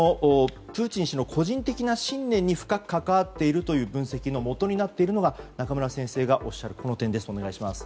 プーチン氏の個人的な信念に深く関わっているという分析のもとになっているのが中村先生がおっしゃっているこの点です。